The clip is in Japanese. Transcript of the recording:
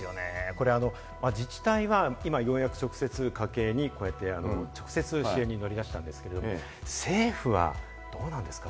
これ、自治体は今ようやく直接家計に支援に乗り出しているんですけれども、政府はどうなんですか？